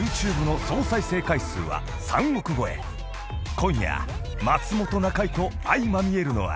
［今夜松本中居と相まみえるのは］